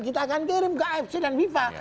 kita akan kirim ke afc dan viva